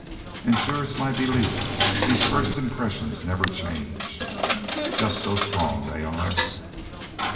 "An' shore it's my belief these first impressions never change, just so strong they are!